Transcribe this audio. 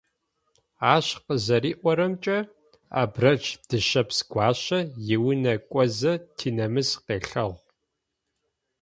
Ащ къызэриӏорэмкӏэ, Абрэдж Дышъэпс-Гуащэ иунэ кӏозэ Тинэмыс къелъэгъу.